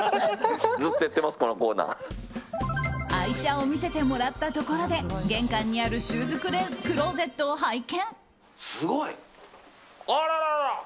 愛車を見せてもらったところで玄関にあるシューズクローゼットを拝見。